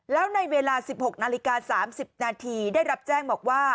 แล้วในเวลา๑๖นาฬิกา๓๐นาทีได้รับแจ้งบอกว่า